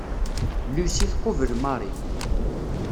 Lucie tqubel Marie.